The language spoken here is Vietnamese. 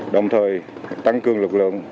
đồng thời tăng cương lực lượng